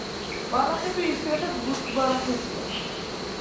ბალახები, იშვიათად ბუჩქბალახებია.